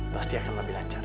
pasti akan lebih lancar